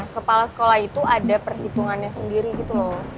kepala sekolah itu ada perhitungannya sendiri gitu loh